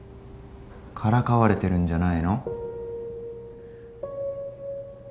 からかわれてるんじゃないの？